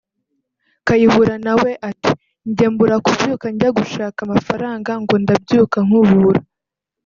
Kayihura nawe ati “Njye mbura kubyuka jya gushaka amafaranga ngo ndabyuka nkubura